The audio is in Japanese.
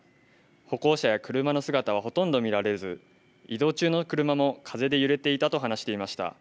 歩行者や車の姿は、ほとんど見られず移動中の車も風で揺れていたと話していました。